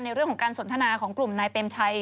เรื่องของการสนทนาของกลุ่มนายเปรมชัย